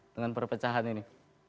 dengan perpecahan ini